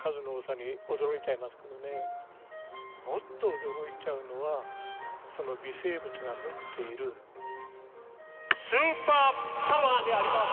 もっと驚いちゃうのはその微生物が持っているスーパーパワーにあります！